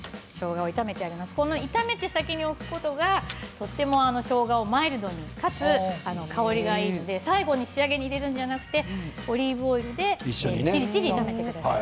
弱火で炒めてあるのでこの炒めて先におくことがとてもしょうがをマイルドにかつ香りがいいので仕上げに入れるんじゃなくてオリーブオイルでチリチリ炒めてください。